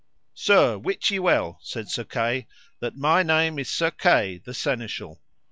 Sir, wit ye well, said Sir Kay, that my name is Sir Kay, the Seneschal.